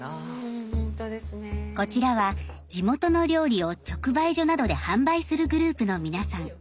こちらは地元の料理を直売所などで販売するグループの皆さん。